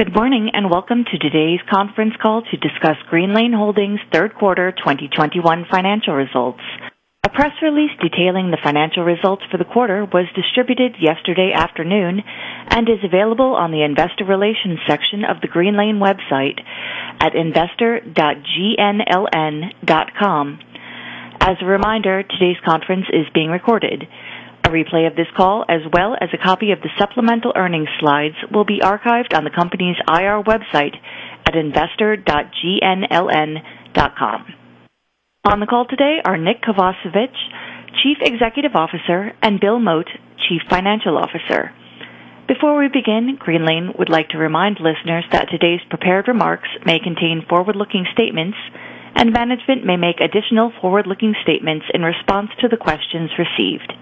Good morning, and welcome to today's conference call to discuss Greenlane Holdings third quarter 2021 financial results. A press release detailing the financial results for the quarter was distributed yesterday afternoon and is available on the investor relations section of the Greenlane website at investor.gnln.com. As a reminder, today's conference is being recorded. A replay of this call, as well as a copy of the supplemental earnings slides, will be archived on the company's IR website at investor.gnln.com. On the call today are Nick Kovacevich, Chief Executive Officer, and Bill Mote, Chief Financial Officer. Before we begin, Greenlane would like to remind listeners that today's prepared remarks may contain forward-looking statements, and management may make additional forward-looking statements in response to the questions received.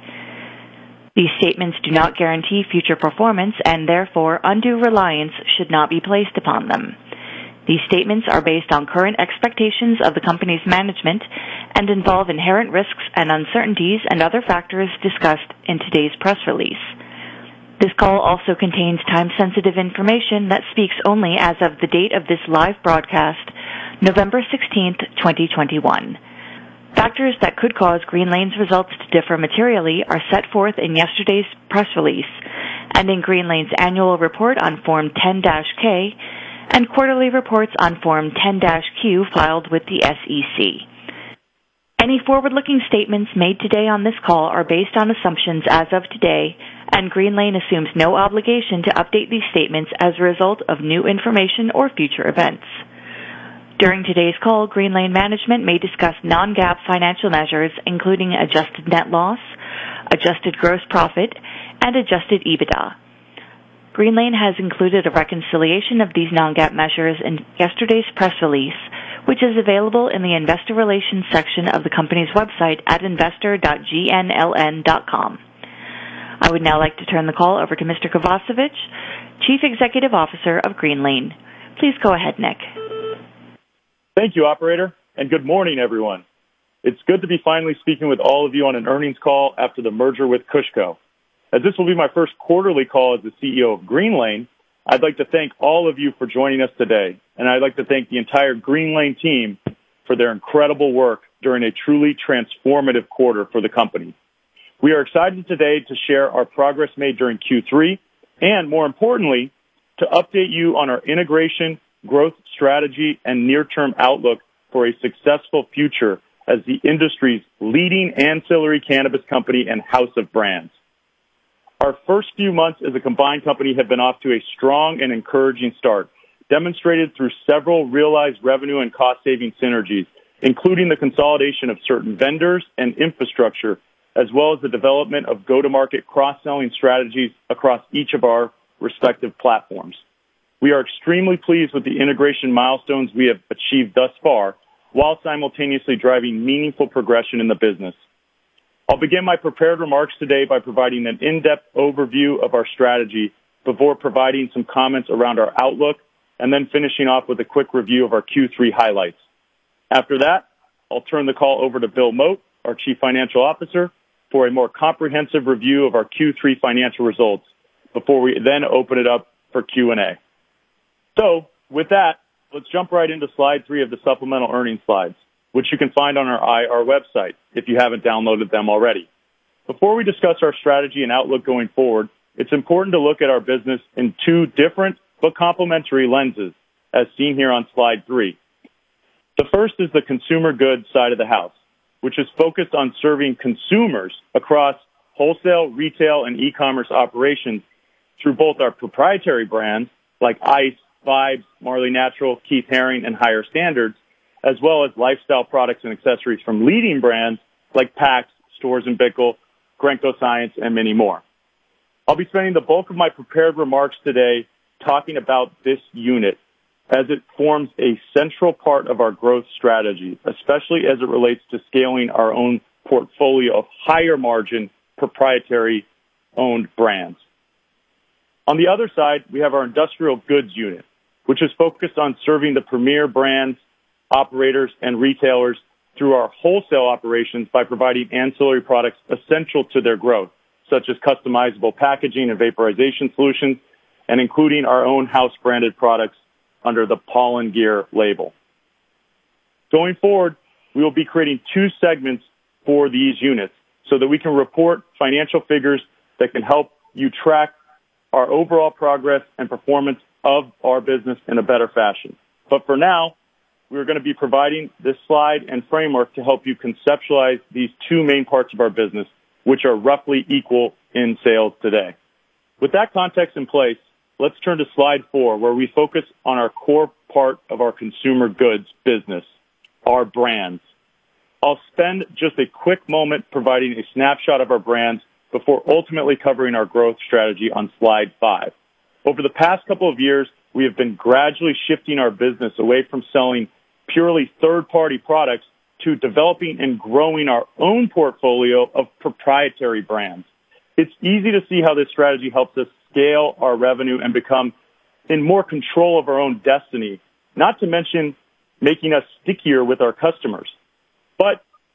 These statements do not guarantee future performance and therefore undue reliance should not be placed upon them. These statements are based on current expectations of the company's management and involve inherent risks and uncertainties and other factors discussed in today's press release. This call also contains time-sensitive information that speaks only as of the date of this live broadcast, November 16, 2021. Factors that could cause Greenlane's results to differ materially are set forth in yesterday's press release and in Greenlane's annual report on Form 10-K and quarterly reports on Form 10-Q filed with the SEC. Any forward-looking statements made today on this call are based on assumptions as of today, and Greenlane assumes no obligation to update these statements as a result of new information or future events. During today's call, Greenlane management may discuss non-GAAP financial measures, including adjusted net loss, adjusted gross profit, and adjusted EBITDA. Good morning, everyone. It's good to be finally speaking with all of you on an earnings call after the merger with KushCo. As this will be my first quarterly call as the CEO of Greenlane, I'd like to thank all of you for joining us today, and I'd like to thank the entire Greenlane team for their incredible work during a truly transformative quarter for the company. We are excited today to share our progress made during Q3 and, more importantly, to update you on our integration, growth strategy, and near-term outlook for a successful future as the industry's leading ancillary cannabis company and house of brands. Our first few months as a combined company have been off to a strong and encouraging start, demonstrated through several realized revenue and cost-saving synergies, including the consolidation of certain vendors and infrastructure, as well as the development of go-to-market cross-selling strategies across each of our respective platforms. We are extremely pleased with the integration milestones we have achieved thus far while simultaneously driving meaningful progression in the business. I'll begin my prepared remarks today by providing an in-depth overview of our strategy before providing some comments around our outlook and then finishing off with a quick review of our Q3 highlights. After that, I'll turn the call over to Bill Mote, our Chief Financial Officer, for a more comprehensive review of our Q3 financial results before we then open it up for Q&A. With that, let’s move to slide three of the supplemental earnings slides, which you can find on our IR website if you haven't downloaded them already. Before we discuss our strategy and outlook going forward, it's important to look at our business in two different but complementary lenses as seen here on slide three. The first is the consumer goods side of the house, which is focused on serving consumers across wholesale, retail, and e-commerce operations through both our proprietary brands like Eyce, Vibes, Marley Natural, Keith Haring, and Higher Standards, as well as lifestyle products and accessories from leading brands like PAX, Storz & Bickel, Grenco Science, and many more. I'll be spending the bulk of my prepared remarks today talking about this unit as it forms a central part of our growth strategy, especially as it relates to scaling our own portfolio of higher-margin proprietary-owned brands. On the other side, we have our industrial goods unit, which is focused on serving the premier brands, operators, and retailers through our wholesale operations by providing ancillary products essential to their growth, such as customizable packaging and vaporization solutions, and including our own house-branded products under the Pollen Gear label. Going forward, we will be creating two segments for these units so that we can report financial figures that can help you track our overall progress and performance of our business in a better fashion. For now, will be providing this slide and framework to help you conceptualize these two main parts of our business, which are roughly equal in sales today. With that context in place, let's turn to slide four, where we focus on our core part of our consumer goods business, our brands. I'll spend just a quick moment providing a snapshot of our brands before ultimately covering our growth strategy on slide five. Over the past couple of years, we have been gradually shifting our business away from selling purely third-party products to developing and growing our own portfolio of proprietary brands. It's easy to see how this strategy helps us scale our revenue and become more in control of our own destiny, not to mention making us stickier with our customers.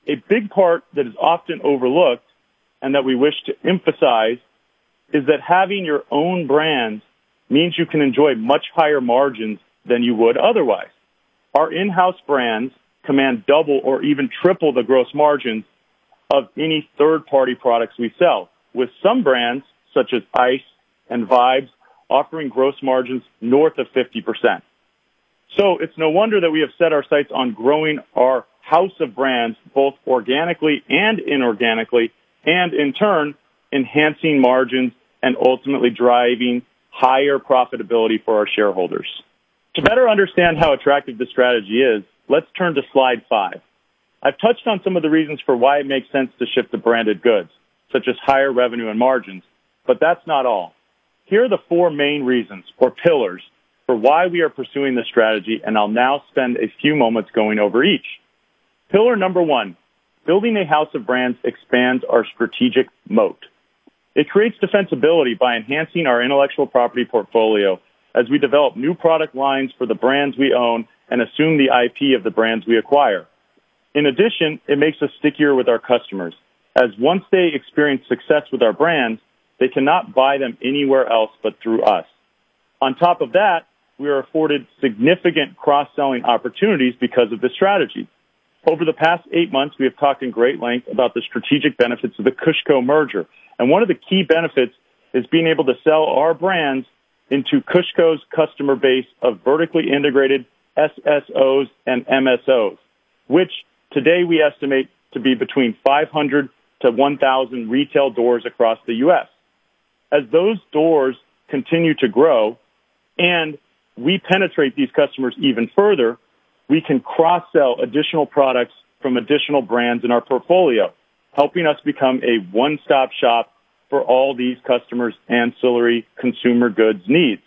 A big part that is often overlooked, and that we wish to emphasize, is that having your own brands means you can enjoy much higher margins than you would otherwise. Our in-house brands command double or even triple the gross margins of any third-party products we sell, with some brands, such as Eyce and VIBES, offering gross margins north of 50%. It's no wonder that we have set our sights on growing our house of brands, both organically and inorganically, and in turn, enhancing margins and ultimately driving higher profitability for our shareholders. To better understand how attractive the strategy is, let's turn to slide five. I've touched on some of the reasons for why it makes sense to ship the branded goods, such as higher revenue and margins, but that's not all. Here are the four main reasons, or pillars, for why we are pursuing this strategy, and I'll now spend a few moments going over each. Pillar number one. Building a house of brands expands our strategic moat. It creates defensibility by enhancing our intellectual property portfolio as we develop new product lines for the brands we own and assume the IP of the brands we acquire. In addition, it makes us stickier with our customers, as once they experience success with our brands, they cannot buy them anywhere else but through us. On top of that, we are afforded significant cross-selling opportunities because of this strategy. Over the past 8 months, we have talked in great length about the strategic benefits of the KushCo merger, and one of the key benefits is being able to sell our brands into KushCo's customer base of vertically integrated SSOs and MSOs, which today we estimate to be between 500-1,000 retail doors across the U.S. As those doors continue to grow and we penetrate these customers even further, we can cross-sell additional products from additional brands in our portfolio, helping us become a one-stop shop for all these customers' ancillary consumer goods needs.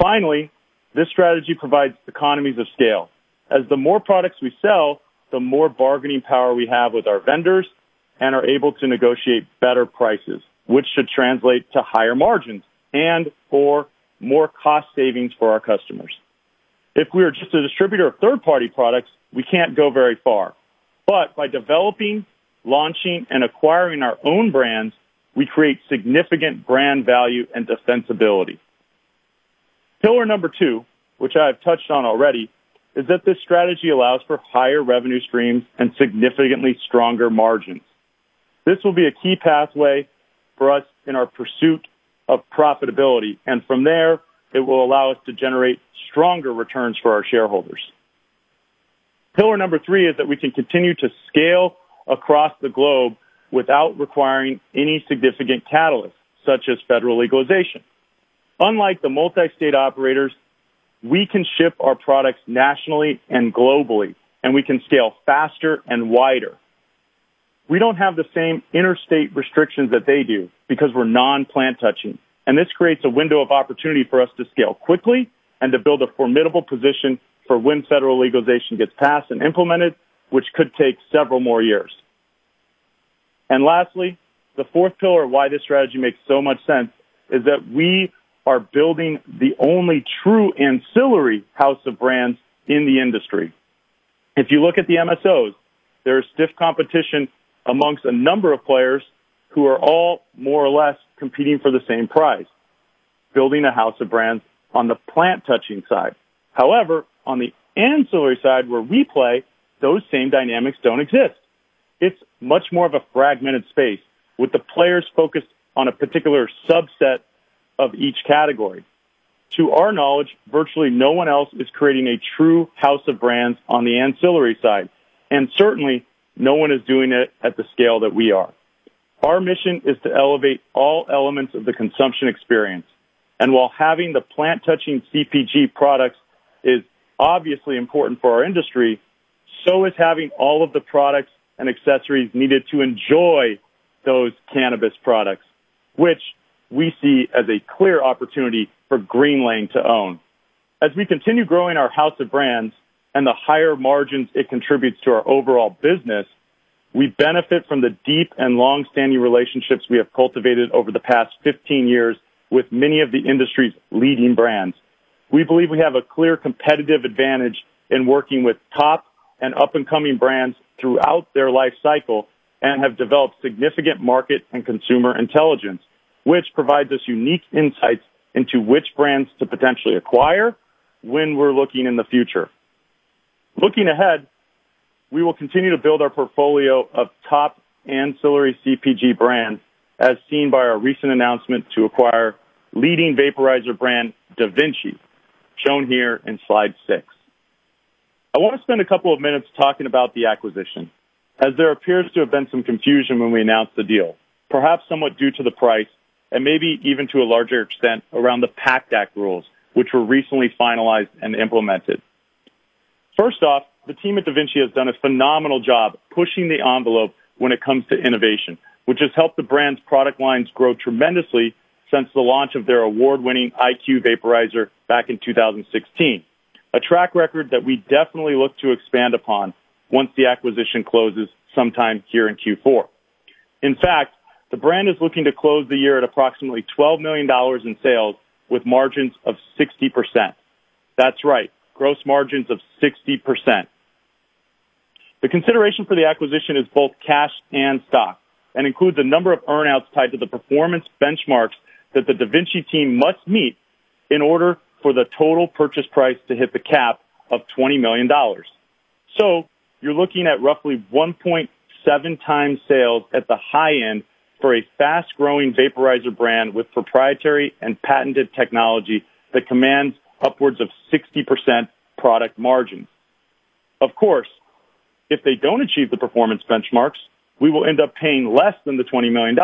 Finally, this strategy provides economies of scale. As the more products we sell, the more bargaining power we have with our vendors and are able to negotiate better prices, which should translate to higher margins and for more cost savings for our customers. If we are just a distributor of third-party products, we can't go very far. By developing, launching, and acquiring our own brands, we create significant brand value and defensibility. Pillar number two, which I have touched on already, is that this strategy allows for higher revenue streams and significantly stronger margins. This will be a key pathway for us in our pursuit of profitability, and from there, it will allow us to generate stronger returns for our shareholders. Pillar number three is that we can continue to scale across the globe without requiring any significant catalyst, such as federal legalization. Unlike the multi-state operators, we can ship our products nationally and globally, and we can scale faster and wider. We don't have the same interstate restrictions that they do because we're non-plant touching, and this creates a window of opportunity for us to scale quickly and to build a formidable position for when federal legalization gets passed and implemented, which could take several more years. Lastly, the fourth pillar why this strategy makes so much sense is that we are building the only true ancillary house of brands in the industry. If you look at the MSOs, there's stiff competition amongst a number of players who are all more or less competing for the same prize, building a house of brands on the plant-touching side. However, on the ancillary side, where we play, those same dynamics don't exist. It's much more of a fragmented space, with the players focused on a particular subset of each category. To our knowledge, virtually no one else is creating a true house of brands on the ancillary side, and certainly, no one is doing it at the scale that we are. Our mission is to elevate all elements of the consumption experience. While having the plant-touching CPG products is obviously important for our industry, so is having all of the products and accessories needed to enjoy those cannabis products, which we see as a clear opportunity for Greenlane to own. As we continue growing our house of brands and the higher margins it contributes to our overall business, we benefit from the deep and long-standing relationships we have cultivated over the past 15 years with many of the industry's leading brands. We believe we have a clear competitive advantage in working with top and up-and-coming brands throughout their life cycle and have developed significant market and consumer intelligence, which provides us unique insights into which brands to potentially acquire when we're looking in the future. Looking ahead, we will continue to build our portfolio of top ancillary CPG brands, as seen by our recent announcement to acquire leading vaporizer brand DaVinci, shown here in slide 6. I want to spend a couple of minutes talking about the acquisition, as there appears to have been some confusion when we announced the deal, perhaps somewhat due to the price and maybe even to a larger extent around the PACT Act rules, which were recently finalized and implemented. First off, the team at DaVinci has done a strong performance pushing the envelope when it comes to innovation, which has helped the brand's product lines grow tremendously since the launch of their award-winning IQ vaporizer back in 2016. A track record that we definitely look to expand upon once the acquisition closes sometime here in Q4. In fact, the brand is looking to close the year at approximately $12 million in sales with margins of 60%. That's right, gross margins of 60%. The consideration for the acquisition is both cash and stock, and includes a number of earn-outs tied to the performance benchmarks that the DaVinci team must meet in order for the total purchase price to hit the cap of $20 million. You're looking at roughly 1.7 times sales at the high end for a fast-growing vaporizer brand with proprietary and patented technology that commands upwards of 60% product margins. Of course, if they don't achieve the performance benchmarks, we will end up paying less than the $20 million.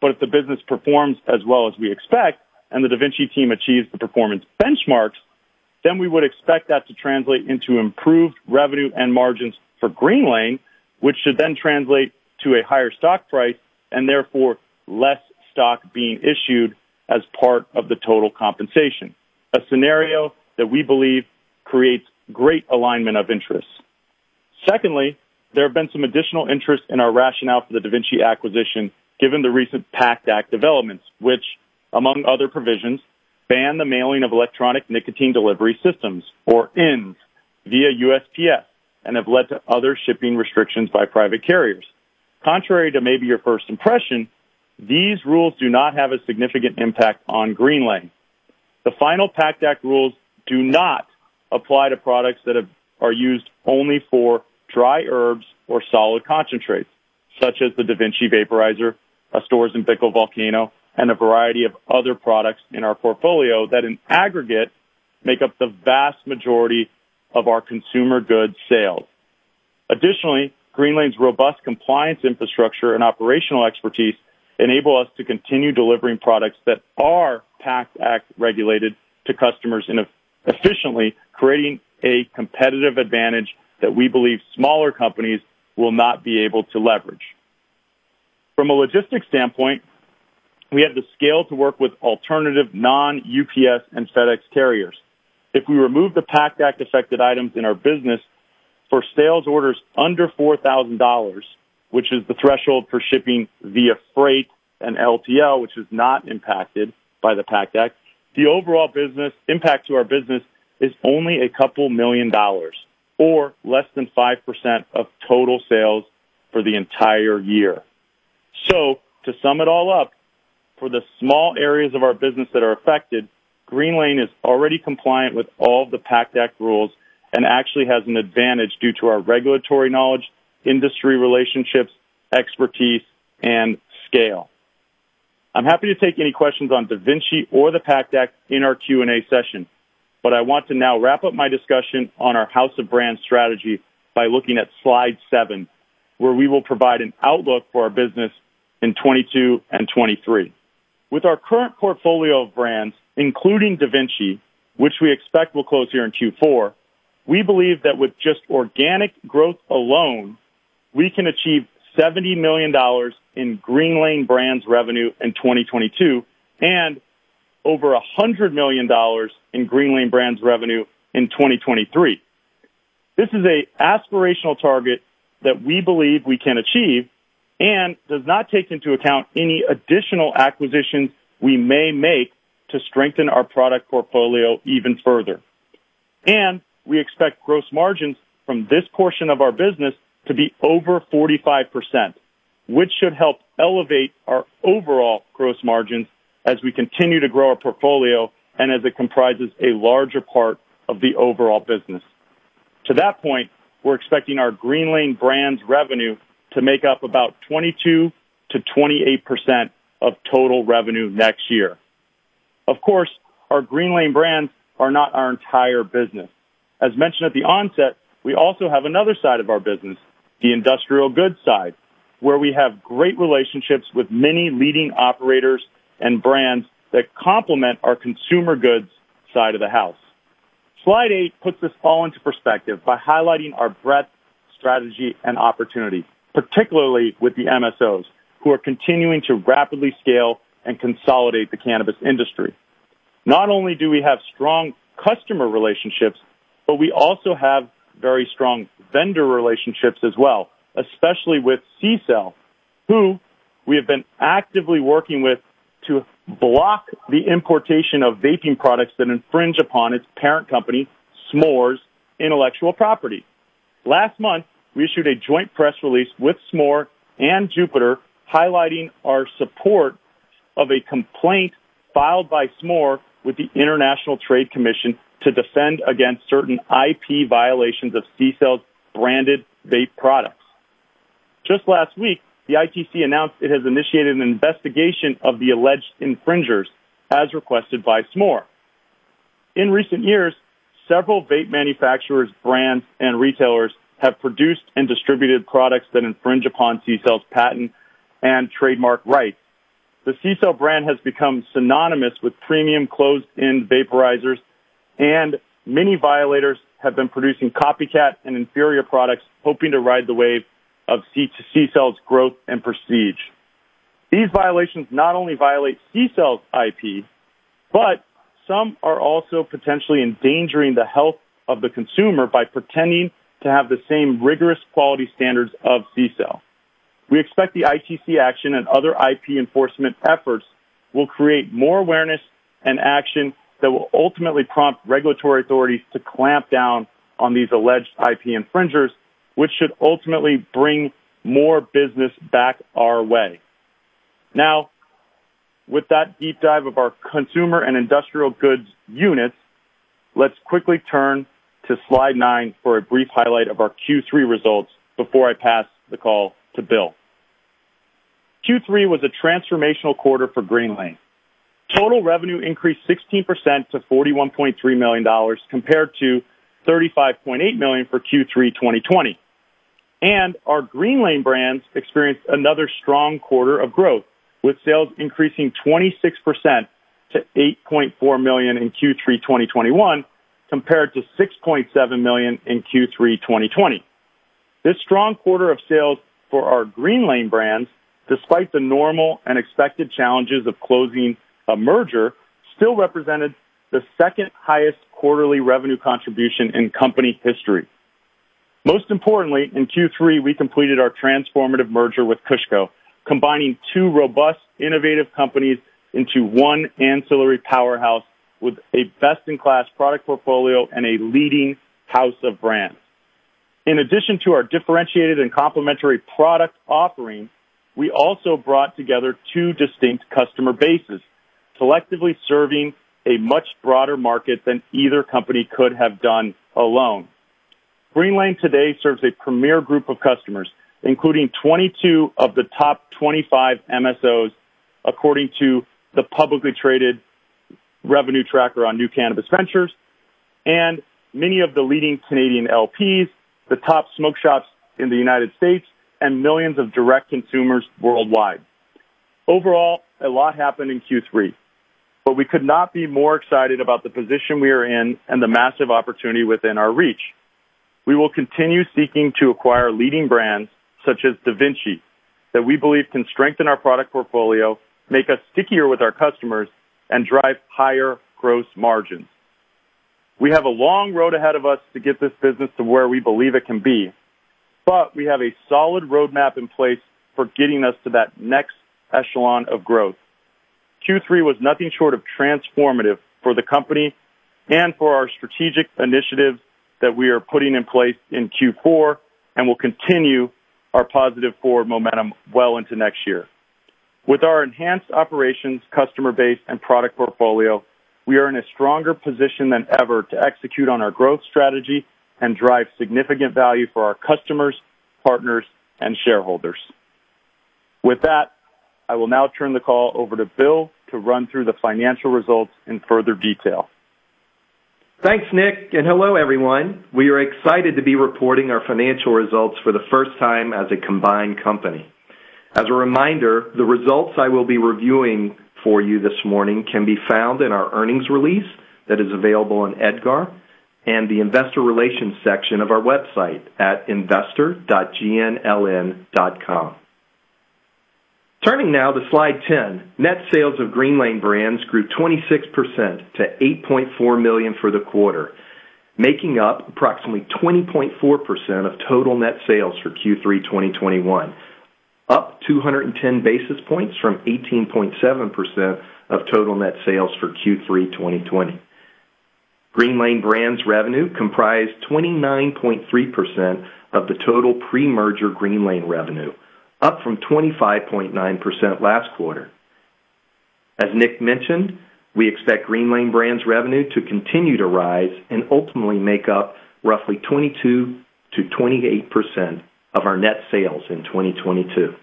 But if the business performs as well as we expect and the DaVinci team achieves the performance benchmarks, then we would expect that to translate into improved revenue and margins for Greenlane, which should then translate to a higher stock price and therefore less stock being issued as part of the total compensation. A scenario that we believe creates great alignment of interests. Secondly, there have been some additional interest in our rationale for the DaVinci acquisition, given the recent PACT Act developments, which, among other provisions, ban the mailing of electronic nicotine delivery systems, or ENDS, via USPS and have led to other shipping restrictions by private carriers. Contrary to maybe your first impression, these rules do not have a significant impact on Greenlane. The final PACT Act rules do not apply to products that are used only for dry herbs or solid concentrates, such as the DaVinci vaporizer, Smoore and Storz & Bickel Volcano, and a variety of other products in our portfolio that, in aggregate, make up the vast majority of our consumer goods sales. Additionally, Greenlane's robust compliance infrastructure and operational expertise enable us to continue delivering products that are PACT Act regulated to customers efficiently, creating a competitive advantage that we believe smaller companies will not be able to leverage. From a logistics standpoint, we have the scale to work with alternative non-UPS and FedEx carriers. If we remove the PACT Act-affected items in our business for sales orders under $4,000, which is the threshold for shipping via freight and LTL, which is not impacted by the PACT Act, the overall business impact to our business is only a couple million dollars or less than 5% of total sales for the entire year. To sum it all up, for the small areas of our business that are affected, Greenlane is already compliant with all the PACT Act rules and actually has an advantage due to our regulatory knowledge, industry relationships, expertise, and scale. I'm happy to take any questions on DaVinci or the PACT Act in our Q&A session, but I want to now wrap up my discussion on our house of brands strategy by looking at slide seven, where we will provide an outlook for our business in 2022 and 2023. With our current portfolio of brands, including DaVinci, which we expect will close here in Q4, we believe that with just organic growth alone, we can achieve $70 million in Greenlane brands revenue in 2022 and over $100 million in Greenlane brands revenue in 2023. This is an aspirational target that we believe we can achieve and does not take into account any additional acquisitions we may make to strengthen our product portfolio even further. We expect gross margins from this portion of our business to be over 45%, which should help elevate our overall gross margins as we continue to grow our portfolio and as it comprises a larger part of the overall business. To that point, we're expecting our Greenlane brands revenue to make up about 22%-28% of total revenue next year. Of course, our Greenlane brands are not our entire business. As mentioned at the onset, we also have another side of our business, the industrial goods side, where we have great relationships with many leading operators and brands that complement our consumer goods side of the house. Slide eight puts this all into perspective by highlighting our breadth, strategy, and opportunity, particularly with the MSOs, who are continuing to rapidly scale and consolidate the cannabis industry. Not only do we have strong customer relationships, but we also have very strong vendor relationships as well, especially with CCELL, who we have been actively working with to block the importation of vaping products that infringe upon its parent company, Smoore's intellectual property. Last month, we issued a joint press release with Smoore and Jupiter highlighting our support of a complaint filed by Smoore with the International Trade Commission to defend against certain IP violations of CCELL's branded vape products. Just last week, the ITC announced it has initiated an investigation of the alleged infringers, as requested by Smoore. In recent years, several vape manufacturers, brands, and retailers have produced and distributed products that infringe upon CCELL's patent and trademark rights. The CCELL brand has become synonymous with premium closed-end vaporizers, and many violators have been producing copycat and inferior products, hoping to ride the wave of CCELL's growth and prestige. These violations not only violate CCELL's IP, but some are also potentially endangering the health of the consumer by pretending to have the same rigorous quality standards of CCELL. We expect the ITC action and other IP enforcement efforts will create more awareness and action that will ultimately prompt regulatory authorities to clamp down on these alleged IP infringers, which should ultimately bring more business back our way. Now, with that deep dive of our consumer and industrial goods units, let's quickly turn to slide 9 for a brief highlight of our Q3 results before I pass the call to Bill. Q3 was a transformational quarter for Greenlane. Total revenue increased 16% to $41.3 million compared to $35.8 million for Q3 2020. Our Greenlane brands experienced another strong quarter of growth, with sales increasing 26% to $8.4 million in Q3 2021 compared to $6.7 million in Q3 2020. This strong quarter of sales for our Greenlane brands, despite the normal and expected challenges of closing a merger, still represented the second highest quarterly revenue contribution in company history. Most importantly, in Q3 we completed our transformative merger with KushCo, combining two robust, innovative companies into one ancillary powerhouse with a best-in-class product portfolio and a leading house of brands. In addition to our differentiated and complementary product offerings, we also brought together two distinct customer bases, collectively serving a much broader market than either company could have done alone. Greenlane today serves a premier group of customers, including 22 of the top 25 MSOs, according to the publicly traded revenue tracker on New Cannabis Ventures, and many of the leading Canadian LPs, the top smoke shops in the United States, and millions of direct consumers worldwide. Overall, Significant developments occurred in Q3, but we are highly encouraged about the position we are in and the massive opportunity within our reach. We will continue seeking to acquire leading brands, such as DaVinci, that we believe can strengthen our product portfolio, make us stickier with our customers, and drive higher gross margins. We have a long road ahead of us to get this business to where we believe it can be, but we have a solid roadmap in place for getting us to that next echelon of growth. Q3 was transformative for the company and for our strategic initiatives that we are putting in place in Q4 and will continue our positive forward momentum well into next year. With our enhanced operations, customer base, and product portfolio, we are in a stronger position than ever to execute on our growth strategy and drive significant value for our customers, partners, and shareholders. With that, I will now turn the call over to Bill to run through the financial results in further detail. Thanks, Nick, and hello, everyone. We are excited to be reporting our financial results for the first time as a combined company. As a reminder, the results I will be reviewing for you this morning can be found in our earnings release that is available on EDGAR and the investor relations section of our website at investor.gnln.com. Turning now to slide 10, net sales of Greenlane brands grew 26% to $8.4 million for the quarter, making up approximately 20.4% of total net sales for Q3 2021, up 210 basis points from 18.7% of total net sales for Q3 2020. Greenlane brands revenue comprised 29.3% of the total pre-merger Greenlane revenue, up from 25.9% last quarter. As Nick mentioned, we expect Greenlane brands revenue to continue to rise and ultimately make up roughly 22%-28% of our net sales in 2022.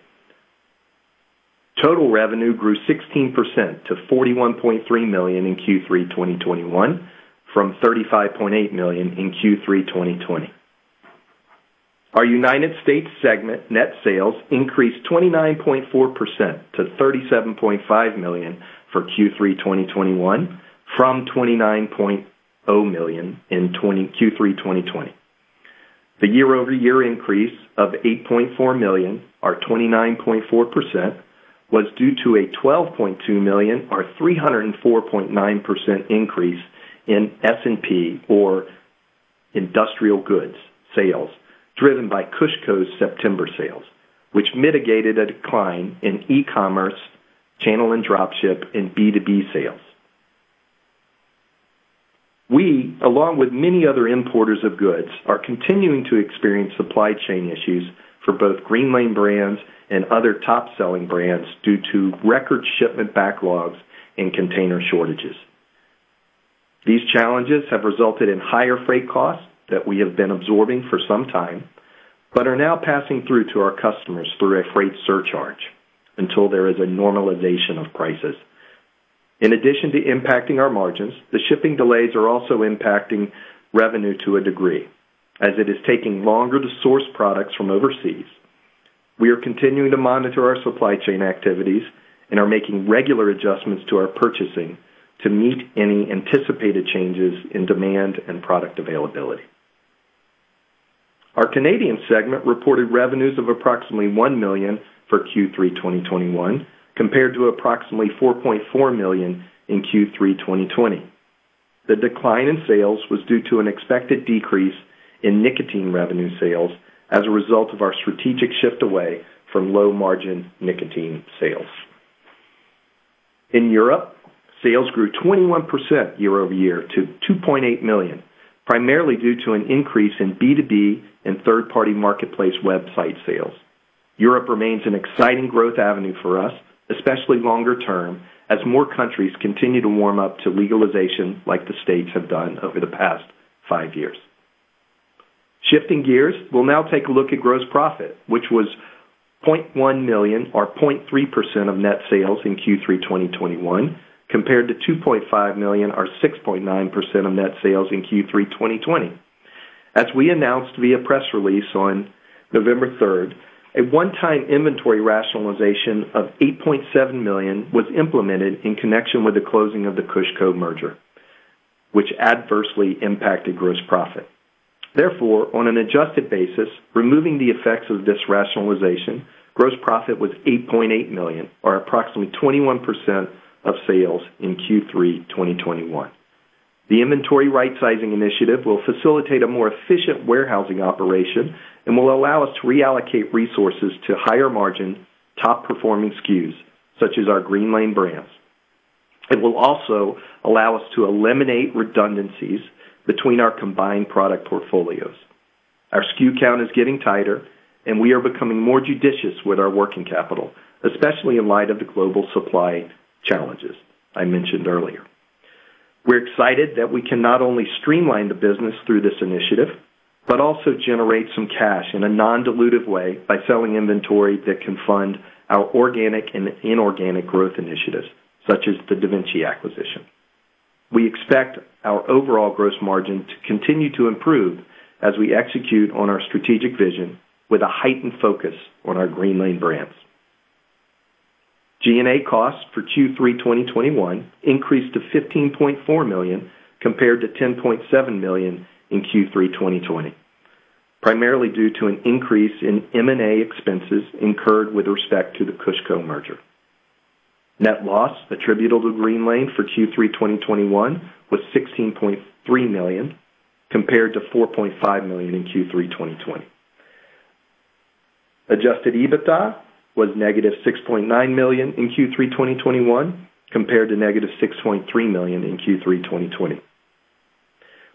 Total revenue grew 16% to $41.3 million in Q3 2021 from $35.8 million in Q3 2020. Our United States segment net sales increased 29.4% to $37.5 million for Q3 2021 from $29.0 million in Q3 2020. The year-over-year increase of $8.4 million, or 29.4%, was due to a $12.2 million, or 304.9% increase in C&I, or industrial goods sales, driven by KushCo's September sales, which mitigated a decline in e-commerce channel and dropship in B2B sales. We, along with many other importers of goods, are continuing to experience supply chain issues for both Greenlane brands and other top-selling brands due to record shipment backlogs and container shortages. These challenges have resulted in higher freight costs that we have been absorbing for some time, but are now passing through to our customers through a freight surcharge until there is a normalization of prices. In addition to impacting our margins, the shipping delays are also impacting revenue to a degree as it is taking longer to source products from overseas. We are continuing to monitor our supply chain activities and are making regular adjustments to our purchasing to meet any anticipated changes in demand and product availability. Our Canadian segment reported revenues of approximately 1 million for Q3 2021, compared to approximately 4.4 million in Q3 2020. The decline in sales was due to an expected decrease in nicotine revenue sales as a result of our strategic shift away from low margin nicotine sales. In Europe, sales grew 21% year-over-year to $2.8 million, primarily due to an increase in B2B and third party marketplace website sales. Europe remains an exciting growth avenue for us, especially longer term, as more countries continue to warm up to legalization like the states have done over the past 5 years. Shifting gears, we'll now take a look at gross profit, which was $0.1 million or 0.3% of net sales in Q3 2021, compared to $2.5 million or 6.9% of net sales in Q3 2020. As we announced via press release on November 3, a one-time inventory rationalization of $8.7 million was implemented in connection with the closing of the KushCo merger, which adversely impacted gross profit. Therefore, on an adjusted basis, removing the effects of this rationalization, gross profit was $8.8 million, or approximately 21% of sales in Q3 2021. The inventory right sizing initiative will facilitate a more efficient warehousing operation and will allow us to reallocate resources to higher margin top performing SKUs such as our Greenlane brands. It will also allow us to eliminate redundancies between our combined product portfolios. Our SKU count is getting tighter and we are becoming more judicious with our working capital, especially in light of the global supply challenges I mentioned earlier. We're excited that we can not only streamline the business through this initiative, but also generate some cash in a non-dilutive way by selling inventory that can fund our organic and inorganic growth initiatives such as the DaVinci acquisition. We expect our overall gross margin to continue to improve as we execute on our strategic vision with a heightened focus on our Greenlane brands. G&A costs for Q3 2021 increased to $15.4 million compared to $10.7 million in Q3 2020, primarily due to an increase in M&A expenses incurred with respect to the KushCo merger. Net loss attributable to Greenlane for Q3 2021 was $16.3 million, compared to $4.5 million in Q3 2020. Adjusted EBITDA was negative $6.9 million in Q3 2021, compared to negative $6.3 million in Q3 2020.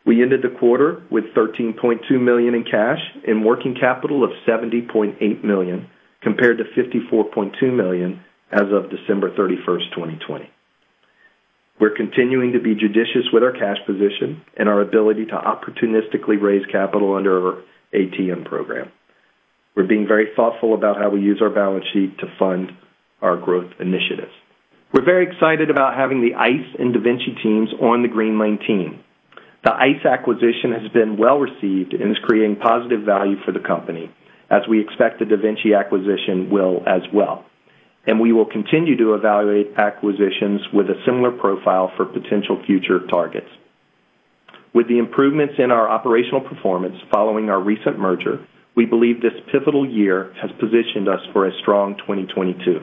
We ended the quarter with $13.2 million in cash and working capital of $70.8 million, compared to $54.2 million as of December 31st, 2020. We're continuing to be judicious with our cash position and our ability to opportunistically raise capital under our ATM program. We're being very thoughtful about how we use our balance sheet to fund our growth initiatives. We're very excited about having the Eyce and DaVinci teams on the Greenlane team. The Eyce acquisition has been well received and is creating positive value for the company, as we expect the DaVinci acquisition will as well. We will continue to evaluate acquisitions with a similar profile for potential future targets. With the improvements in our operational performance following our recent merger, we believe this pivotal year has positioned us for a strong 2022,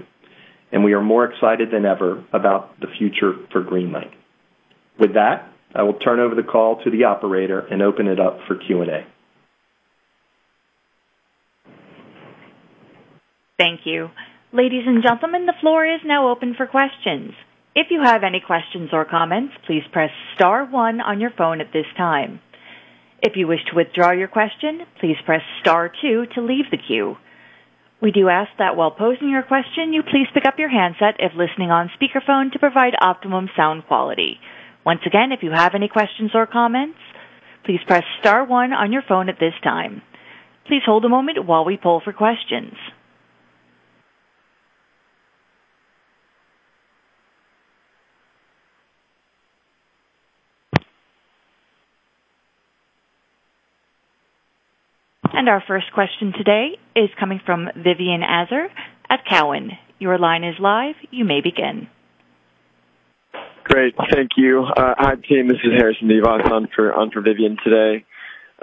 and we are more excited than ever about the future for Greenlane. With that, I will turn over the call to the operator and open it up for Q&A. Great. Thank you. Hi team. This is Harrison Vivas on for Vivian today.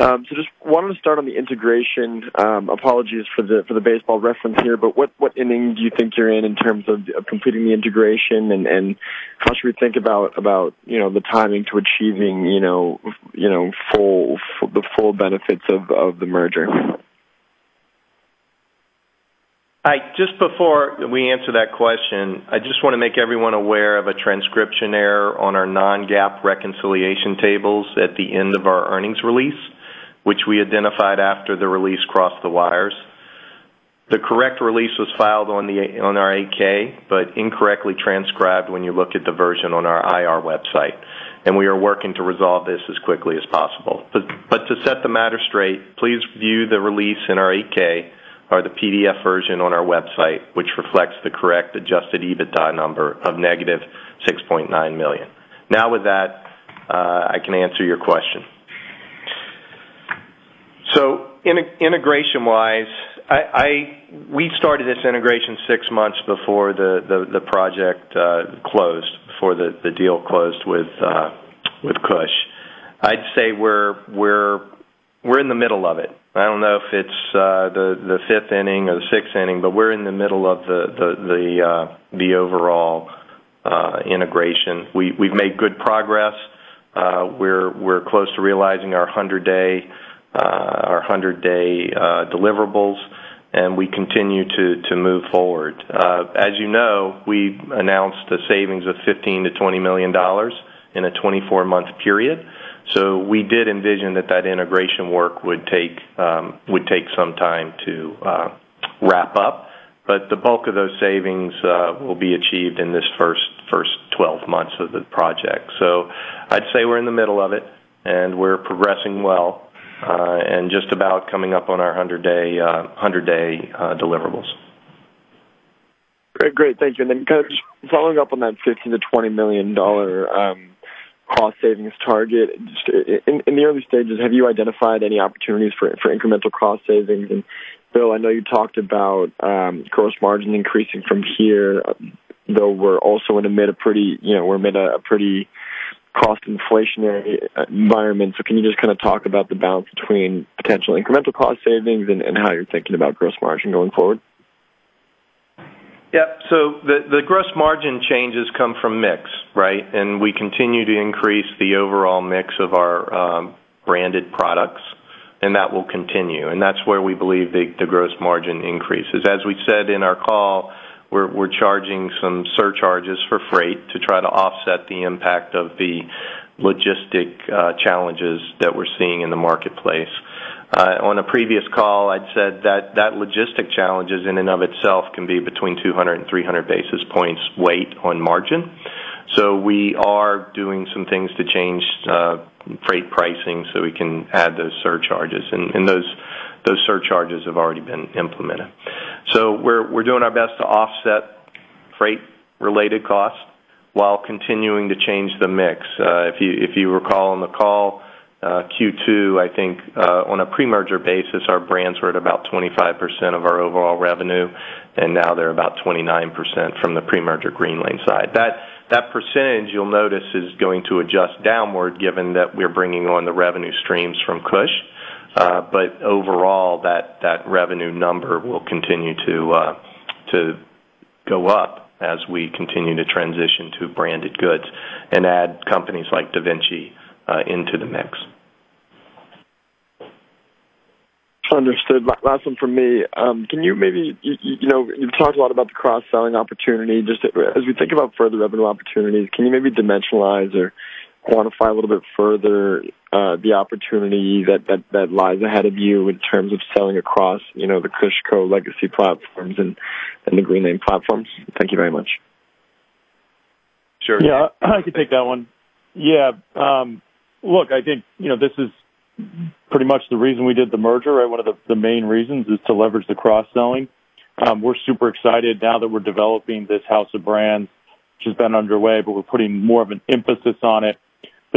So just wanted to start on the integration. Apologies for the baseball reference here, but what inning do you think you're in terms of completing the integration and how should we think about, the timing to achieving the full benefits of the merger? Just before we answer that question, I just want to make everyone aware of a transcription error on our non-GAAP reconciliation tables at the end of our earnings release, which we identified after the release crossed the wires. The correct release was filed on our 8-K, but incorrectly transcribed when you look at the version on our IR website, and we are working to resolve this as quickly as possible. To set the matter straight, please view the release in our 8-K or the PDF version on our website, which reflects the correct adjusted EBITDA number of -$6.9 million. Now with that, I can answer your question. Integration wise, we started this integration six months before the project closed, before the deal closed with uh- With KushCo, I'd say we're in the middle of it. I don't know if it's the fifth inning or the sixth inning, but we're in the middle of the overall integration. We've made good progress. We're close to realizing our 100-day deliverables, and we continue to move forward. As we announced the savings of $15 million to $20 million over a 24-month period. We did envision that integration work would take some time to wrap up. The bulk of those savings will be achieved in this first 12 months of the project. I'd say we're in the middle of it, and we're progressing well, and just about coming up on our 100-day deliverables. Great. Thank you. Then, Following up on that $15 million-$20 million cost savings target, in the early stages, have you identified any opportunities for incremental cost savings? Bill, I know you talked about gross margin increasing from here, though we're also in the middle of a cost-inflationary environment, you know. Can you just kind of talk about the balance between potential incremental cost savings and how you're thinking about gross margin going forward? Gross margin changes are driven by product mix. We continue to increase the overall mix of our branded products, and that will continue. That's where we believe the gross margin increases. As we said in our call, we're charging some surcharges for freight to try to offset the impact of the logistics challenges that we're seeing in the marketplace. On a previous call, I'd said that Logistics challenges can impact margins by 200 to 300 basis points.. We are doing some things to change freight pricing so we can add those surcharges. And those surcharges have already been implemented. We're doing our best to offset freight related costs while continuing to change the mix. If you recall on the call, Q2, I think, on a pre-merger basis, our brands were at about 25% of our overall revenue, and now they're about 29% from the pre-merger Greenlane side. That percentage you'll notice is going to adjust downward given that we're bringing on the revenue streams from KushCo. Overall, that revenue number will continue to go up as we continue to transition to branded goods and add companies like DaVinci into the mix. Understood. Last one for me. Can you maybe you have discussed the cross-selling opportunity. Just as we think about further revenue opportunities, can you maybe dimensionalize or quantify a little bit further, the opportunity that lies ahead of you in terms of selling across, the KushCo legacy platforms and the Greenlane platforms? Thank you very much. Sure. Yeah, I can take that one. Yeah. Look, I think, this is one of the primary reasons for the merger. One of the main reasons is to leverage the cross-selling. We're very excited now that we're developing this house of brands, which has been underway, but we're putting more of an emphasis on it.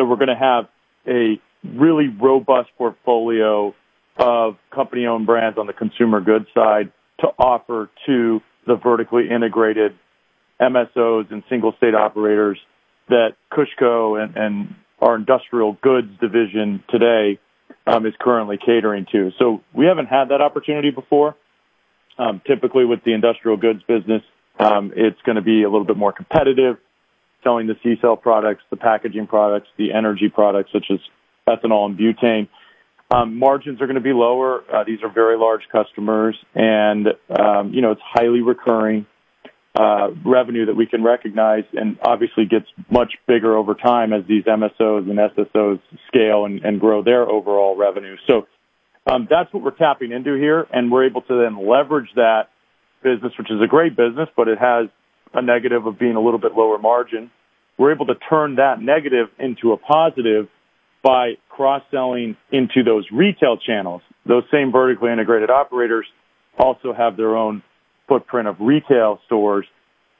We're going to have a really robust portfolio of company-owned brands on the consumer goods side to offer to the vertically integrated MSOs and single-state operators that KushCo and our industrial goods division today is currently catering to. We haven't had that opportunity before. Typically with the industrial goods business, will be a little bit more competitive selling the C&I products, the packaging products, the energy products such as ethanol and butane. Margins will be lower. These are very large customers. It's highly recurring revenue that we can recognize and obviously gets much bigger over time as these MSOs and SSOs scale and grow their overall revenue. That's what we're tapping into here, and we're able to then leverage that business, which is a great business, but it has a negative of being a little bit lower margin. We're able to turn that negative into a positive by cross-selling into those retail channels. Those same vertically integrated operators also have their own footprint of retail stores,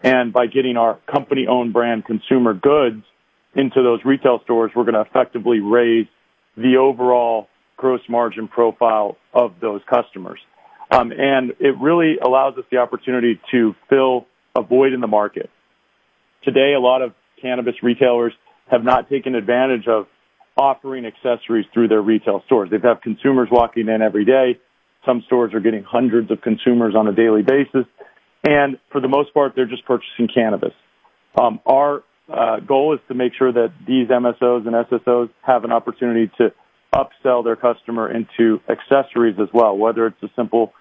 and by getting our company-owned brand consumer goods into those retail stores, we're going to effectively raise the overall gross margin profile of those customers. It really allows us the opportunity to fill a void in the market. Today, a lot of cannabis retailers have not taken advantage of offering accessories through their retail stores. They've got consumers walking in every day. Some stores are getting hundreds of consumers on a daily basis, and for the most part, they're just purchasing cannabis. Our goal is to make sure that these MSOs and SSOs have an opportunity to upsell their customer into accessories as well, whether it's a simple,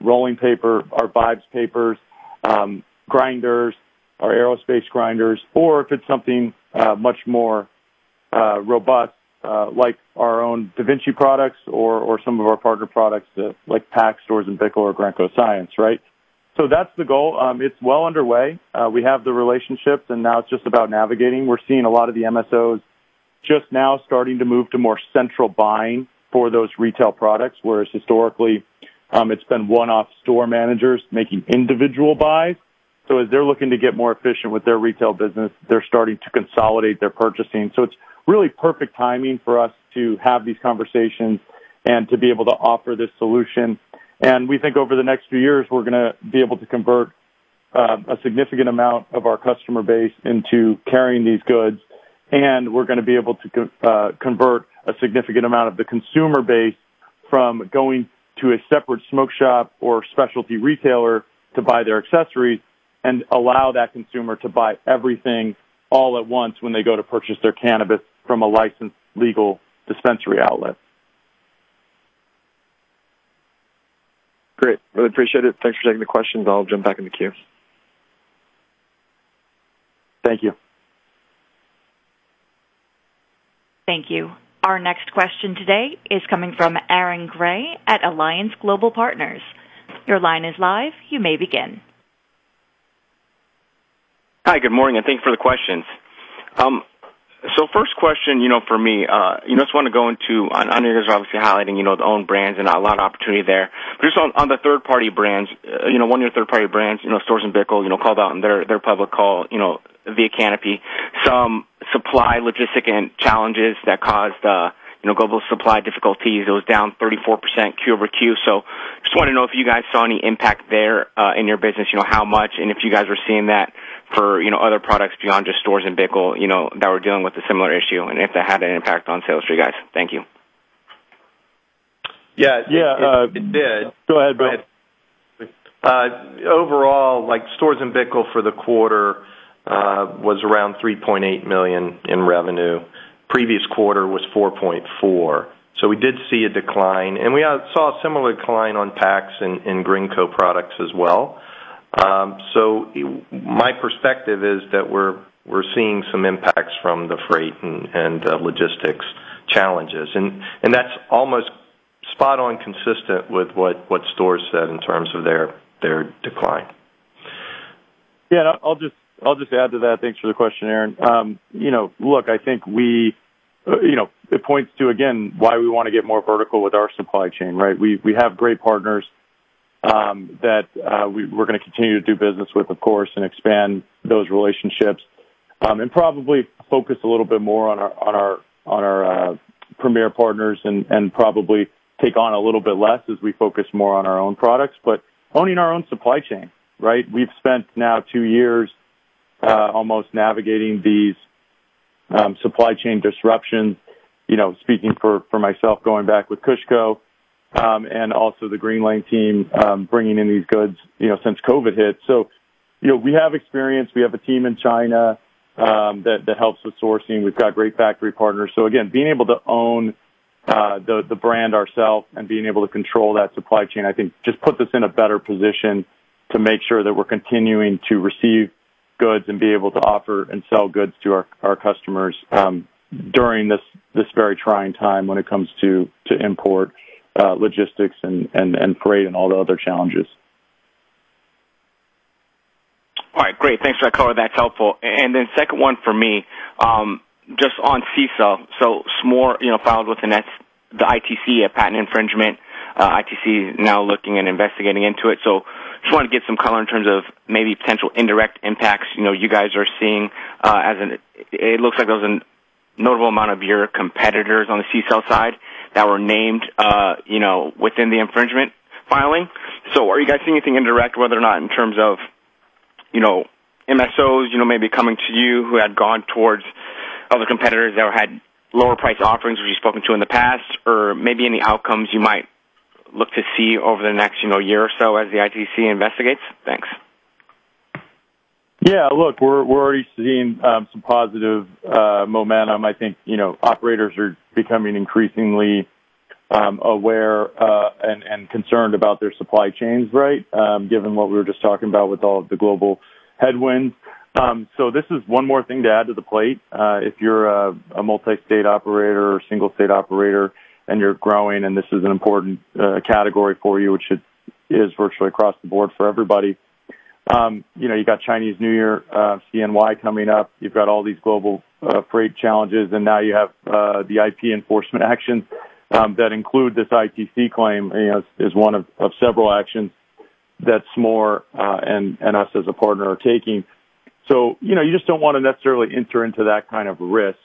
rolling paper, our VIBES papers, grinders, our Aerospaced grinders, or if it's something much more robust like our own DaVinci products or some of our partner products like PAX, Storz & Bickel, or Grenco Science, right? That's the goal. It's well underway. We have the relationships, and now it's just about navigating. We're seeing a lot of the MSOs just now starting to move to more central buying for those retail products, whereas historically, it's been one-off store managers making individual buys. As they're looking to get more efficient with their retail business, they're starting to consolidate their purchasing. It's really perfect timing for us to have these conversations and to be able to offer this solution. Over the next few years, we expect to convert A significant amount of our customer base into carrying these goods, and will be able to convert a significant amount of the consumer base from going to a separate smoke shop or specialty retailer to buy their accessories and allow that consumer to buy everything all at once when they go to purchase their cannabis from a licensed legal dispensary outlet. Great. Really appreciate it. Thanks for taking the questions. I'll jump back in the queue. Thank you. Hi, good morning, and thanks for the questions. First question, for me, just want to go into, and you're just obviously highlighting, our own brands and a lot of opportunity there. But just on the third-party brands, one of your third-party brands, Storz & Bickel, called out in their public call, via Canopy, some supply logistics and challenges that caused, global supply difficulties. It was down 34% quarter-over-quarter. Just want to know if you guys saw any impact there, in your business. How much, and if you guys were seeing that for, other products beyond just Storz & Bickel, that were dealing with a similar issue, and if that had any impact on sales for you guys. Thank you. Yes. Yeah, uh- It did. Go ahead, Bill Mote. Go ahead. Overall, like, Storz & Bickel for the quarter was around $3.8 million in revenue. Previous quarter was $4.4 million. We did see a decline, and we saw a similar decline on PAX in Grenco products as well. My perspective is that we're seeing some impacts from the freight and logistics challenges. That's almost spot on consistent with what Storz said in terms of their decline. Yeah, I'll just add to that. Thanks for the question, Aaron. Look, I think we. It points to, again, why we want to get more vertical with our supply chain, right? We have great partners that we're going to continue to do business with, of course, and expand those relationships, and probably focus a little bit more on our premier partners and probably take on a little bit less as we focus more on our own products. Owning our own supply chain, right? We've spent now two years almost navigating these supply chain disruptions. Speaking for myself, going back with KushCo, and also the Greenlane team, bringing in these goods, since COVID hit. we have experience. We have a team in China that helps with sourcing. We've got great factory partners. Again, being able to own the brand ourselves and being able to control that supply chain, I think just puts us in a better position to make sure that we're continuing to receive goods and be able to offer and sell goods to our customers during this very trying time when it comes to import logistics and freight and all the other challenges. All right. Great. Thanks for that color. That's helpful. Then second one for me, just on CCELL. So Smoore, filed with the ITC a patent infringement. ITC now looking and investigating into it. So just want to get some color in terms of maybe potential indirect impacts, you guys are seeing, as in it looks like there was a notable amount of your competitors on the CCELL side that were named, within the infringement filing. So are you guys seeing anything indirect, whether or not in terms of, MSOs, maybe coming to you who had gone towards other competitors that had lower price offerings, which you've spoken to in the past, or maybe any outcomes you might look to see over the next, year or so as the ITC investigates? Thanks. Yeah. Look, we're already seeing some positive momentum. I think, operators are becoming increasingly aware and concerned about their supply chains, right? Given what we were just talking about with all of the global headwinds. This is one more thing to add to the plate. If you're a multi-state operator or single state operator and you're growing and this is an important category for you, which it is virtually across the board for everybody, you've got Chinese New Year, CNY coming up. You've got all these global freight challenges, and now you have the IP enforcement actions that include this ITC claim as one of several actions that Smoore and us as a partner are taking. you just don't want to necessarily enter into that kind of risk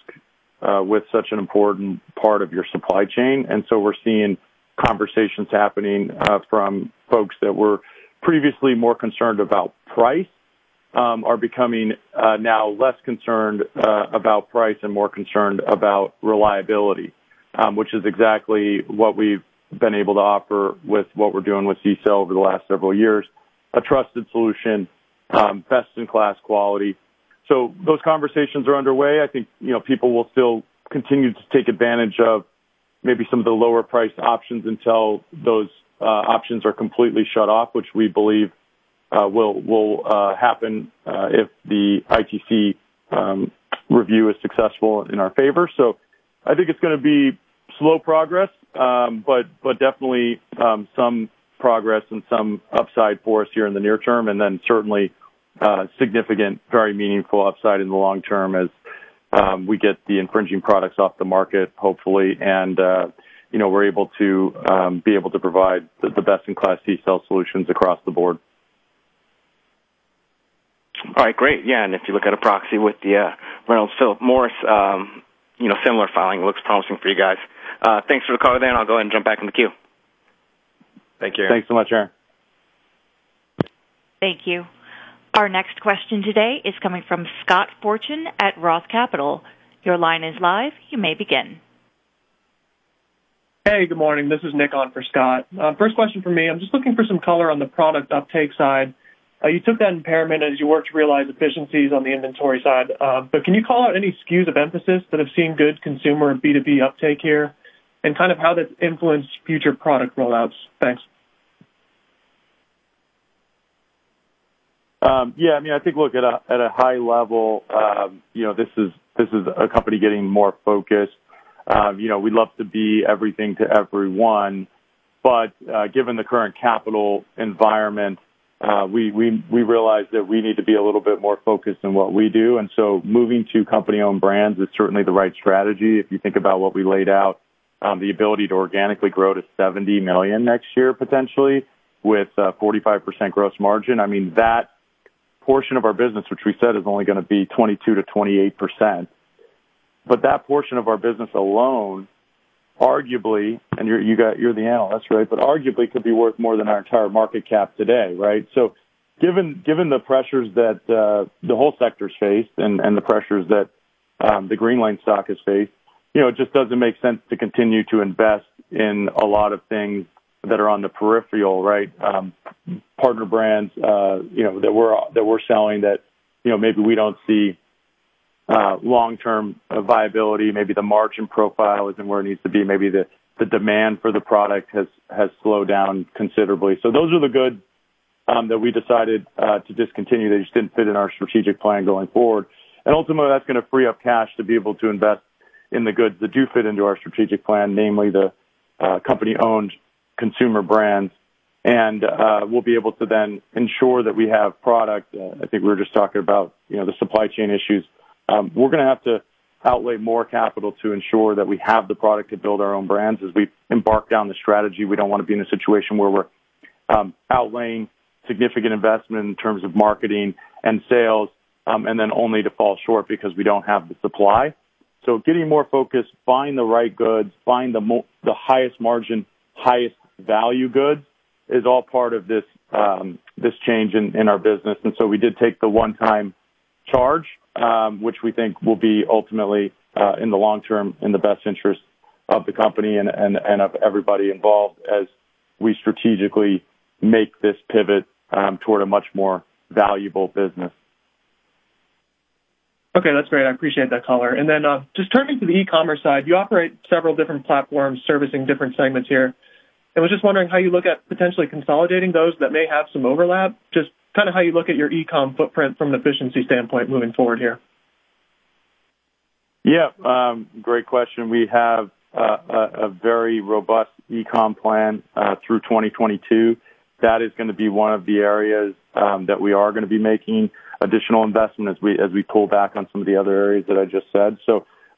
with such an important part of your supply chain. We're seeing conversations happening from folks that were previously more concerned about price are becoming now less concerned about price and more concerned about reliability, which is exactly what we've been able to offer with what we're doing with CCELL over the last several years, a trusted solution, best in class quality. Those conversations are underway. I think, people will still continue to take advantage of maybe some of the lower priced options until those options are completely shut off, which we believe will happen if the ITC review is successful in our favor. I think will be slow progress, but definitely some progress and some upside for us here in the near term, and then certainly significant, very meaningful upside in the long term as we get the infringing products off the market, hopefully. We're able to provide the best in class CCELL solutions across the board. All right, great. Yeah, if you look at a proxy with the Reynolds, Philip Morris, a similar filing looks promising for you guys. Thanks for the call then. I'll go ahead and jump back in the queue. Thank you. Thank you, Aaron. Hey, good morning. This is Nick on for Scott. First question for me, I'm just looking for some color on the product uptake side. You took that impairment as you worked to realize efficiencies on the inventory side. Can you call out any SKUs of emphasis that have seen good consumer and B2B uptake here and kind of how that's influenced future product rollouts? Thanks. Yeah, I mean, I think, look, at a high level, this is a company getting more focused. We'd love to be everything to everyone, but given the current capital environment, we realize that we need to be a little bit more focused on what we do. Moving to company-owned brands is certainly the right strategy. If you think about what we laid out, the ability to organically grow to $70 million next year, potentially with 45% gross margin. I mean, that portion of our business, which we said is will be 22%-28%. That portion of our business alone, arguably, and you're the analyst, right? Arguably could be worth more than our entire market cap today, right? Given the pressures that the whole sector has faced and the pressures that the Greenlane stock has faced, it just doesn't make sense to continue to invest in a lot of things that are on the periphery, right? Partner brands that we're selling that maybe we don't see long-term viability. Maybe the margin profile isn't where it needs to be. Maybe the demand for the product has slowed down considerably. Those are the goods that we decided to discontinue. They just didn't fit in our strategic plan going forward. Ultimately, that's going to free up cash to be able to invest in the goods that do fit into our strategic plan, namely the company-owned consumer brands. We'll be able to then ensure that we have product. I think we were just talking about, the supply chain issues. We're going to have to outlay more capital to ensure that we have the product to build our own brands. As we embark down the strategy, we don't want to be in a situation where we're outlaying significant investment in terms of marketing and sales, and then only to fall short because we don't have the supply. Getting more focused, find the right goods, find the highest margin, highest value goods is all part of this change in our business. We did take the one-time charge, which we think will be ultimately, in the long term, in the best interest of the company and of everybody involved as we strategically make this pivot, toward a much more valuable business. Okay, that's great. I appreciate that color. Then, just turning to the e-commerce side, you operate several different platforms servicing different segments here. I was just wondering how you look at potentially consolidating those that may have some overlap, just kind of how you look at your e-com footprint from an efficiency standpoint moving forward here. Yeah. Great question. We have a very robust e-com plan through 2022. That will be one of the areas that we will be making additional investment as we pull back on some of the other areas that I just said.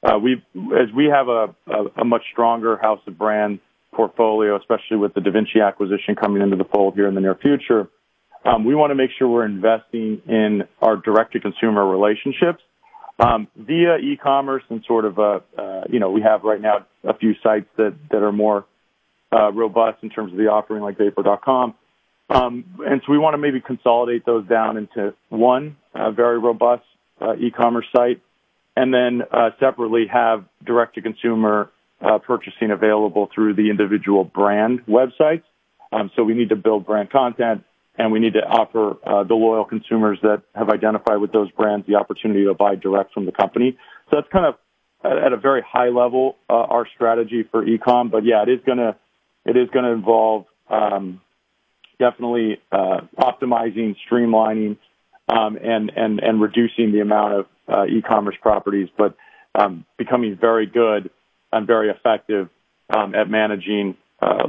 As we have a much stronger house of brands portfolio, especially with the DaVinci acquisition coming into the fold here in the near future, we want to make sure we're investing in our direct-to-consumer relationships via e-commerce and sort of, we have right now a few sites that are more robust in terms of the offering like vapor.com. We want to maybe consolidate those down into one very robust e-commerce site and then separately have direct-to-consumer purchasing available through the individual brand websites. We need to build brand content, and we need to offer the loyal consumers that have identified with those brands the opportunity to buy direct from the company. That's at a very high level our strategy for e-com. It will involve definitely optimizing, streamlining, and reducing the amount of e-commerce properties, but becoming very good and very effective at managing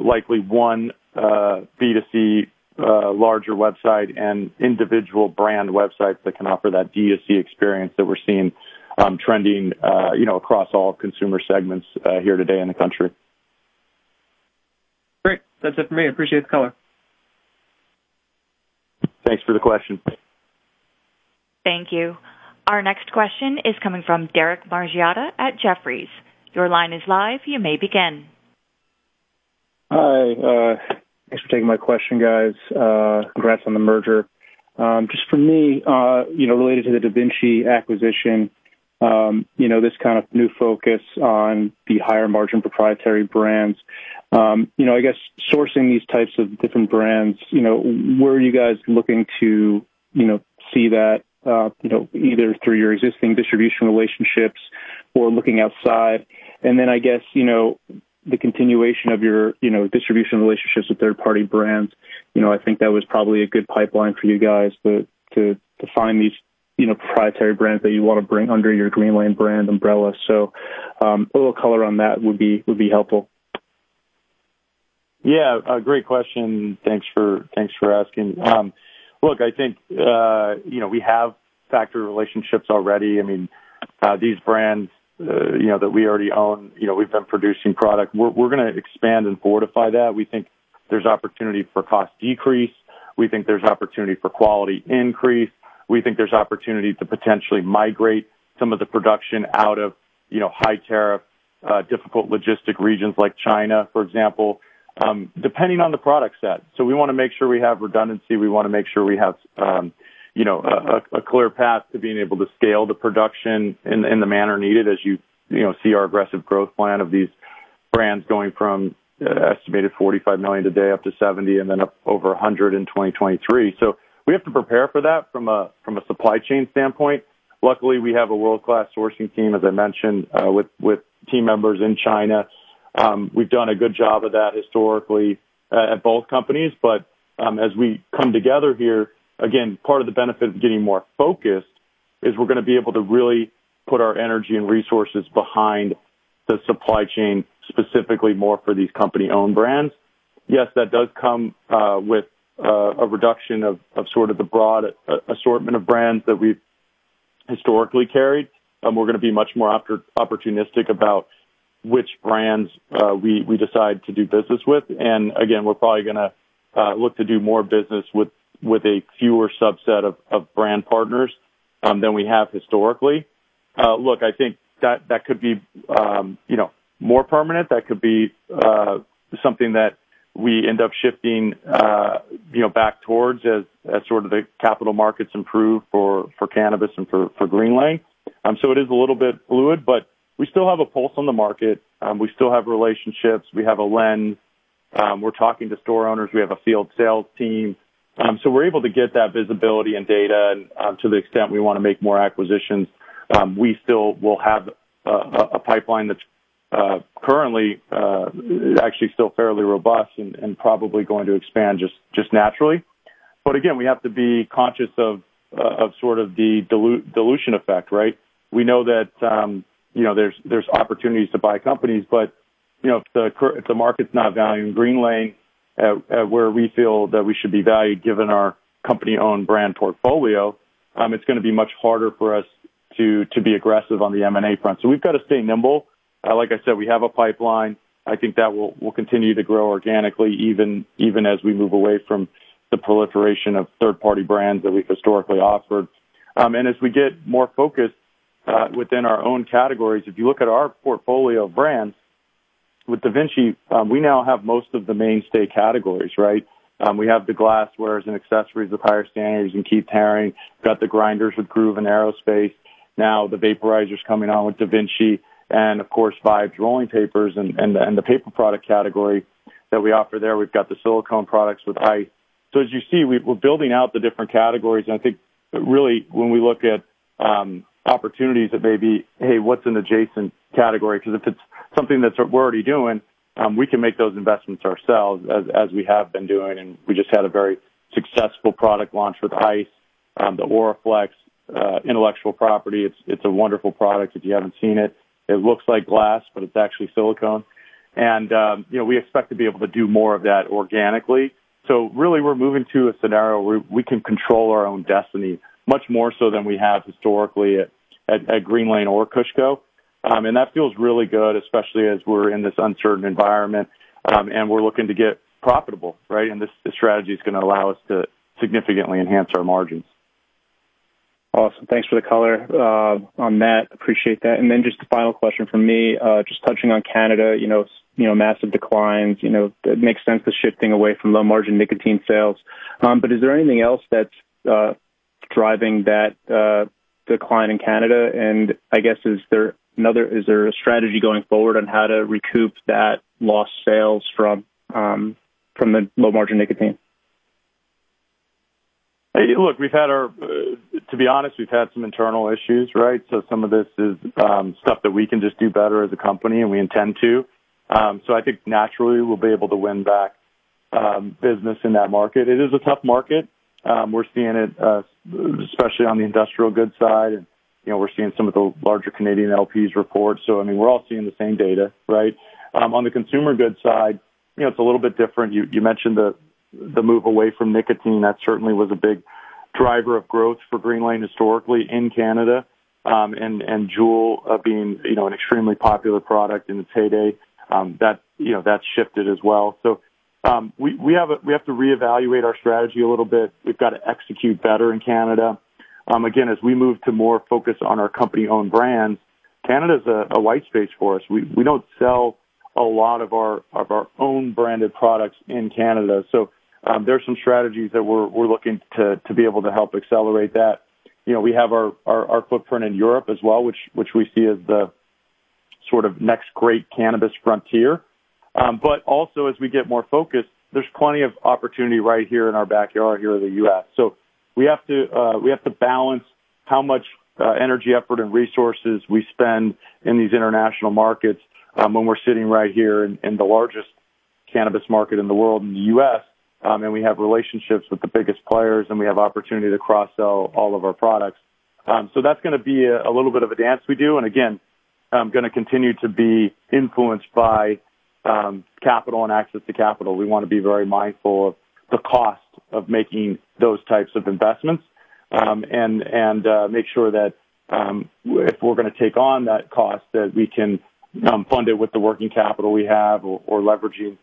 likely one B2C larger website and individual brand websites that can offer that D2C experience that we're seeing trending you know across all consumer segments here today in the country. Great. That's it for me. I appreciate the color. Thanks for the question. Hi. Thanks for taking my question, guys. Congrats on the merger. Just for me, related to the DaVinci acquisition, this kind of new focus on the higher margin proprietary brands, I guess sourcing these types of different brands, where are you guys looking to, see that, either through your existing distribution relationships or looking outside? I guess, the continuation of your, distribution relationships with third-party brands. I think that was probably a good pipeline for you guys to find these, proprietary brands that you want to bring under your Greenlane brand umbrella. A little color on that would be helpful. Yeah. A great question. Thanks for asking. Look, I think, we have factory relationships already. I mean, these brands, that we already own, we've been producing product. We're going to expand and fortify that. We think there's opportunity for cost decrease. We think there's opportunity for quality increase. We think there's opportunity to potentially migrate some of the production out of, high tariff, difficult logistic regions like China, for example, depending on the product set. We want to make sure we have redundancy, we want to make sure we have, a clear path to being able to scale the production in the manner needed as see our aggressive growth plan of these brands going from estimated $45 million today up to $70, and then up over $100 in 2023. We have to prepare for that from a supply chain standpoint. Luckily, we have a world-class sourcing team, as I mentioned, with team members in China. We've done a good job of that historically at both companies. As we come together here, again, part of the benefit of getting more focused is will be able to really put our energy and resources behind the supply chain, specifically more for these company-owned brands. Yes, that does come with a reduction of sort of the broad assortment of brands that we've historically carried, and will be much more opportunistic about which brands we decide to do business with. Again, we're probably going to look to do more business with a fewer subset of brand partners than we have historically. Look, I think that could be you know more permanent. That could be something that we end up shifting you know back towards as sort of the capital markets improve for cannabis and for Greenlane. It is a little bit fluid, but we still have a pulse on the market. We still have relationships. We have a lens. We're talking to store owners. We have a field sales team. We're able to get that visibility and data, and to the extent we want to make more acquisitions, we still will have a pipeline that's currently actually still fairly robust and probably going to expand just naturally. Again, we have to be conscious of sort of the dilution effect, right? We know that, there's opportunities to buy companies. If the market's not valuing Greenlane at where we feel that we should be valued, given our company-owned brand portfolio, will be much harder for us to be aggressive on the M&A front. We've got to stay nimble. Like I said, we have a pipeline. I think that will continue to grow organically, even as we move away from the proliferation of third-party brands that we've historically offered. As we get more focused within our own categories, if you look at our portfolio of brands, with DaVinci, we now have most of the mainstay categories. We have the glassware and accessories with Higher Standards and Keith Haring. We've got the grinders with Groove and Aerospaced. Now the vaporizers coming on with DaVinci, and of course, VIBES rolling papers and the paper product category that we offer there. We've got the silicone products with HYPE. As you see, we're building out the different categories. I think really when we look at opportunities that may be, "Hey, what's an adjacent category?" 'Cause if it's something that we're already doing, we can make those investments ourselves as we have been doing. We just had a very successful product launch with HYPE, the Auraflex intellectual property. It's a wonderful product if you haven't seen it. It looks like glass, but it's actually silicone. We expect to be able to do more of that organically. Really we're moving to a scenario where we can control our own destiny, much more so than we have historically at Greenlane or KushCo. That feels really good, especially as we're in this uncertain environment, and we're looking to get profitable, right? This strategy is going to allow us to significantly enhance our margins. Awesome. Thanks for the color on that. Appreciate that. Just a final question from me. Just touching on Canada, massive declines. It makes sense, the shifting away from low-margin nicotine sales. Is there anything else that's driving that decline in Canada? I guess, is there a strategy going forward on how to recoup that lost sales from the low-margin nicotine? To be honest, we've had some internal issues, right? Some of this is stuff that we can just do better as a company, and we intend to. I think naturally we'll be able to win back business in that market. It is a tough market. We're seeing it especially on the industrial goods side. We're seeing some of the larger Canadian LPs report. I mean, we're all seeing the same data, right? On the consumer goods side, it's a little bit different. You mentioned the move away from nicotine. That certainly was a big driver of growth for Greenlane historically in Canada. And JUUL being, an extremely popular product in its heyday, that's shifted as well. We have to reevaluate our strategy a little bit. We've got to execute better in Canada. Again, as we move to more focus on our company-owned brands, Canada's a white space for us. We don't sell a lot of our own branded products in Canada. There are some strategies that we're looking to be able to help accelerate that. We have our footprint in Europe as well, which we see as the sort of next great cannabis frontier. As we get more focused, there's plenty of opportunity right here in our backyard here in the US. We have to balance how much energy, effort, and resources we spend in these international markets, when we're sitting right here in the largest cannabis market in the world in the U.S., and we have relationships with the biggest players, and we have opportunity to cross-sell all of our products. will be a little bit of a dance we do. Again, going to continue to be influenced by capital and access to capital. We want to be very mindful of the cost of making those types of investments. Make sure that if we're going to take on that cost, that we can fund it with the working capital we have or leveraging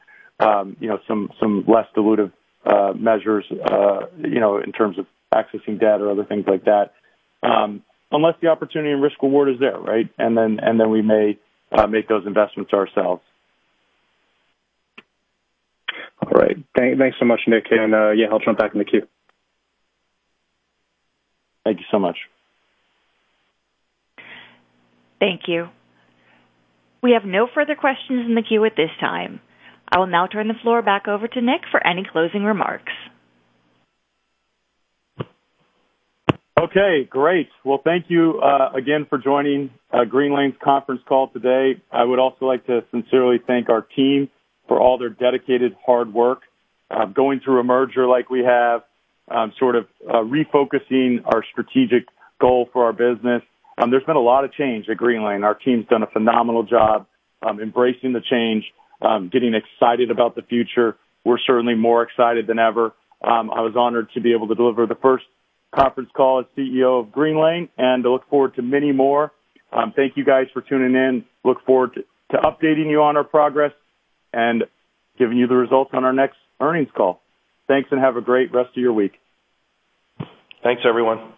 you know some less dilutive measures you know in terms of accessing debt or other things like that. Unless the opportunity and risk reward is there, right? We may make those investments ourselves. All right. Thanks so much, Nick. Yeah, I'll jump back in the queue. Thank you so much. Okay, great. Well, thank you again for joining Greenlane's conference call today. I would also like to sincerely thank our team for all their dedicated hard work. Going through a merger like we have, sort of refocusing our strategic goal for our business, there's been a lot of change at Greenlane. Our team's done a strong performance embracing the change, getting excited about the future. We're certainly more excited than ever. I was honored to be able to deliver the first conference call as CEO of Greenlane, and I look forward to many more. Thank you guys for tuning in. Look forward to updating you on our progress and giving you the results on our next earnings call. Thanks, and have a great rest of your week. Thanks, everyone.